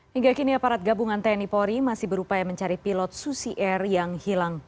hingga kini aparat gabungan tni polri masih berupaya mencari pilot susi air yang hilang